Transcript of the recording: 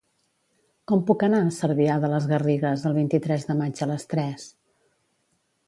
Com puc anar a Cervià de les Garrigues el vint-i-tres de maig a les tres?